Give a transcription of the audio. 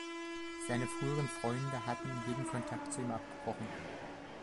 Seine früheren „Freunde“ hatten jeden Kontakt zu ihm abgebrochen.